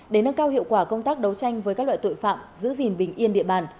để nâng cao hiệu quả công tác đấu tranh với các loại tội phạm giữ gìn bình yên địa bàn